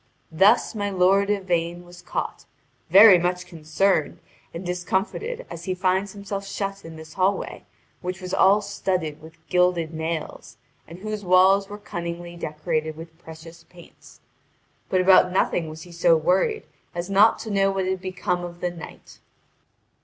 Thus my lord Yvain was caught, very much concerned and discomfited as he finds himself shut in this hallway, which was all studded with gilded nails, and whose walls were cunningly decorated with precious paints. But about nothing was he so worried as not to know what had become of the knight.